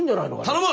頼む！